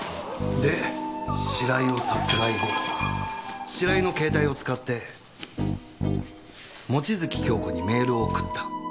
で白井を殺害後白井の携帯を使って望月京子にメールを送った。